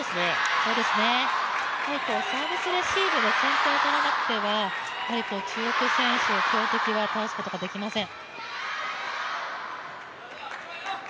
サービスレシーブを取れなくては中国選手強敵は倒すことができません。